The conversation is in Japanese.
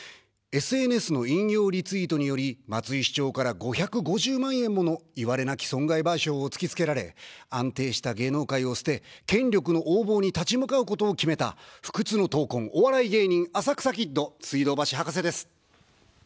ＳＮＳの引用リツイートにより、松井市長から５５０万円ものいわれなき損害賠償を突きつけられ、安定した芸能界を捨て、権力の横暴に立ち向かうことを決めた、不屈の闘魂、お笑い芸人、浅草キッド、水道橋博士です。